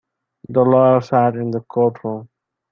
The lawyer sat in the courtroom.